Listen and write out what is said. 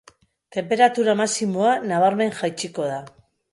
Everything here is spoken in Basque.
Tenperatura maximoa nabarmen jaitsiko da.